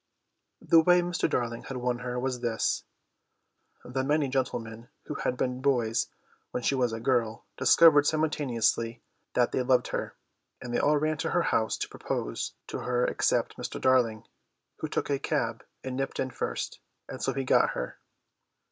The way Mr. Darling won her was this: the many gentlemen who had been boys when she was a girl discovered simultaneously that they loved her, and they all ran to her house to propose to her except Mr. Darling, who took a cab and nipped in first, and so he got her.